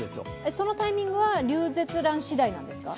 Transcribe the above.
そのタイミングはリュウゼツランしだいなんですか？